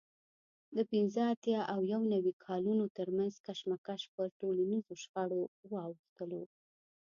د پینځه اتیا او یو نوي کالونو ترمنځ کشمکش پر ټولنیزو شخړو واوښتلو